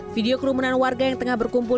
video kerumunan warga yang tengah berkumpul